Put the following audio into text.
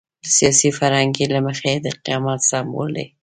د سیاسي فرهنګ له مخې د قیامت سمبول دی.